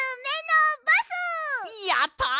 やった！